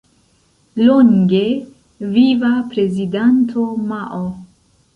Longe Viva Prezidanto Mao!